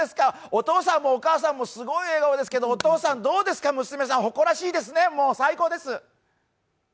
お父さんもお母さんも、すごい笑顔ですけど、お父さん、どうですか、娘さん誇らしいですね、最高です。